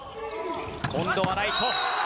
今度はライト。